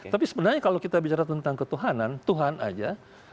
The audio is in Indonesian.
tapi sebenarnya kalau kita bicara tentang ketuhanan tuhan aja